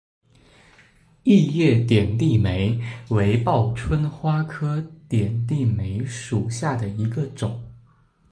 异叶点地梅为报春花科点地梅属下的一个种。